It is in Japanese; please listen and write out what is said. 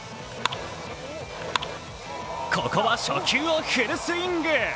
ここは初球をフルスイング。